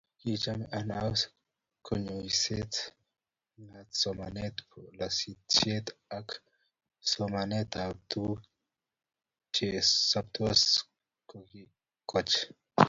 Kichomei Anao konyoiset nganda somanetab polatosiek ak somanetab tuguk che soptos kokiikoch